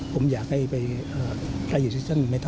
ผมอยากให้ไปตายอยู่ในซิทธิ์ฯภัณฑ์